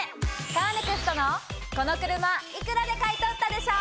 カーネクストのこの車幾らで買い取ったでしょ！